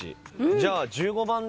じゃあ１５番で。